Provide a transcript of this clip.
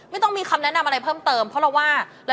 ไม่ต้องมีคำแนะนำอะไรเพิ่มเติมเพราะเราว่า